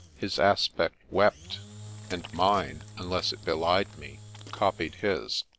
His aspect wept, and mine (unless it belied me) copied his.